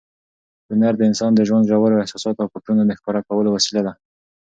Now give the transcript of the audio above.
هنر د انسان د ژوند ژورو احساساتو او فکرونو د ښکاره کولو وسیله ده.